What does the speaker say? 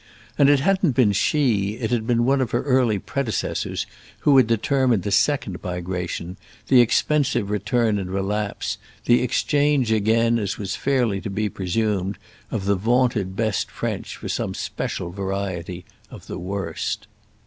And it hadn't been she, it had been one of her early predecessors, who had determined the second migration, the expensive return and relapse, the exchange again, as was fairly to be presumed, of the vaunted best French for some special variety of the worst.